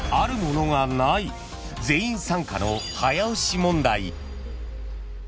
［全員参加の早押し問題］